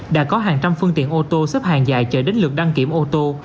đã có hàng trăm phương tiện ô tô xếp hàng dài chờ đến lượt đăng kiểm ô tô